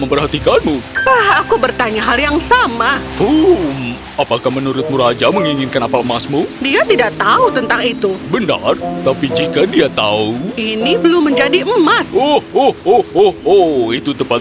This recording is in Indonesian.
baiklah dia ingin semua apel dan